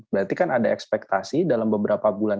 berarti kan ada ekspektasi dalam beberapa bulan